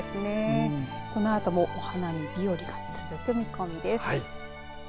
このあともお花見日和が続く見込みです。